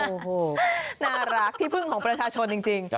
โอ้โหน่ารักที่พึ่งของประชาชนจริง